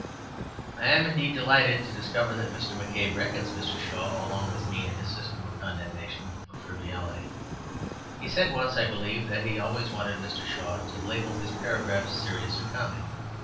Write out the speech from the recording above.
I am, indeed, delighted to discover that Mr. McCabe reckons Mr. Shaw along with me in his system of condemnation of frivolity. He said once, I believe, that he always wanted Mr. Shaw to label his paragraphs serious or comic.